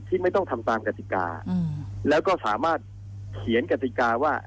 ไม่ต้องทำตามกติกาแล้วก็สามารถเขียนกติกาว่า